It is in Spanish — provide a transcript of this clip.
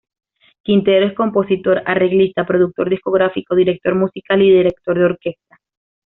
Quintero es compositor, arreglista, productor discográfico, director musical y director de orquesta.